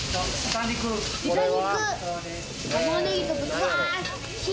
豚肉。